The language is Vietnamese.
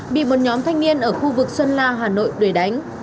bị một nhóm thanh niên ở khu vực xuân la hà nội đuổi đánh